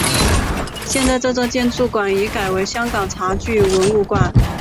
现在这座建筑物已改为香港茶具文物馆。